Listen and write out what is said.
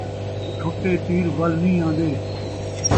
چھُٹے تیر ول نئیں آن٘دے